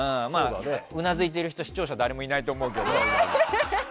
うなずいている人視聴者、誰もいないと思うけど。